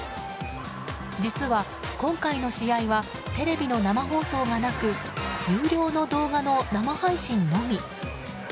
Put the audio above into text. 実は、今回の試合はテレビの生放送がなく有料の動画の生配信のみ。